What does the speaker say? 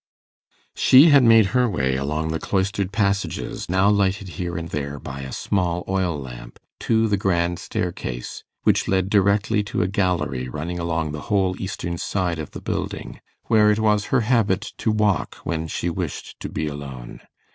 She had made her way along the cloistered passages, now lighted here and there by a small oil lamp, to the grand staircase, which led directly to a gallery running along the whole eastern side of the building, where it was her habit to walk when she wished to be alone.